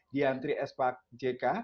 diantri spak jk